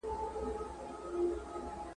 په نارو به یې خبر سمه او غر سو !.